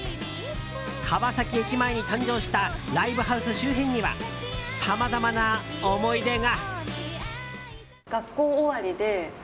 川崎駅前に誕生したライブハウス周辺にはさまざまな思い出が。